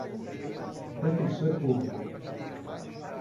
defensor público